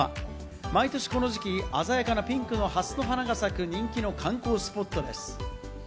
毎年この時期、鮮やかなピンクのハスの花が咲く人気の観光スポットです。